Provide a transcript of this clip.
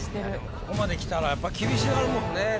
ここまできたらやっぱ厳しなるもんね。